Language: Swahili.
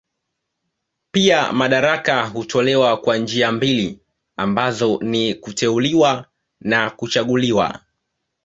Pia madaraka hutolewa kwa njia mbili ambazo ni kuteuliwa na kuchaguliwa.